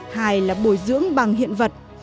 hai là bồi dưỡng bằng hiện vật